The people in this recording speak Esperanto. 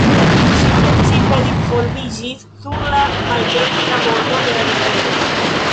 Ĝi precipe disvolviĝis sur la maldekstra bordo de la rivero.